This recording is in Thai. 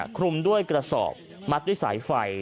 คลุมด้วยกระสอบมัดด้วยสายไฟ